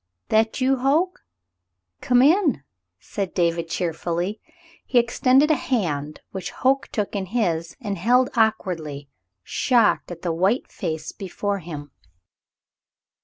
"That you, Hoke .^ Come in," said David, cheerfully. He extended a hand which Hoke took in his and held aw^kwardly, shocked at the white face before him.